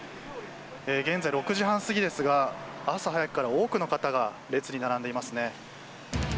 現在６時半過ぎですが朝早くから多くの方が列に並んでいますね。